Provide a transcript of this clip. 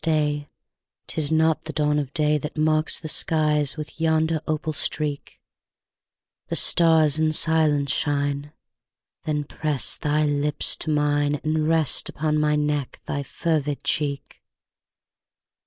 stay; 'Tis not the dawn of day That marks the skies with yonder opal streak: The stars in silence shine; Then press thy lips to mine, And rest upon my neck thy fervid cheek.